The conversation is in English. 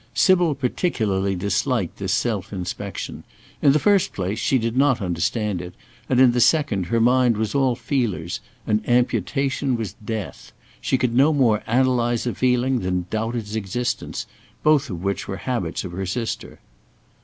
Sybil particularly disliked this self inspection. In the first place she did not understand it, and in the second her mind was all feelers, and amputation was death. She could no more analyse a feeling than doubt its existence, both which were habits of her sister.